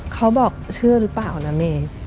เขาบอกเชื่อหรือเปล่านะเมย์